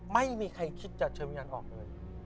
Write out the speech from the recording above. ไม่มีใครคิดจะเชิญวิญญาณออกเลย